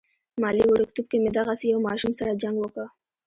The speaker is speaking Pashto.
مالې وړوکتوب کې مې دغسې يو ماشوم سره جنګ وکه.